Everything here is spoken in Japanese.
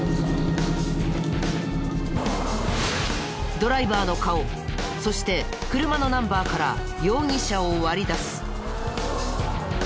ドライバーの顔そして車のナンバーから容疑者を割り出す。